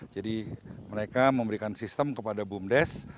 jadi mereka memberikan sistem kepada bumdes